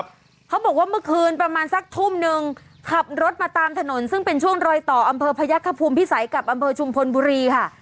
เขาบอกว่าเมื่อคืนประมาณสักทุ่มหนึ่งขับรถมาตามถนนซึ่งเป็นช่วงรอยต่ออำเภอพยักษภูมิพิสัยกับอำเภอชุมพลบุรีค่ะ